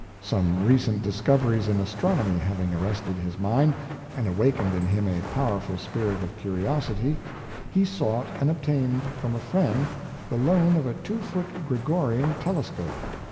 Some recent discoveries in astronomy having arrested his mind, and awakened in him a power ful spirit of curiosity, he sought and obtained from a friend the loan of a two foot Gregorian telescope.